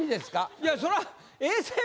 いやそれは。